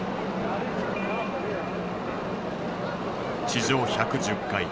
地上１１０階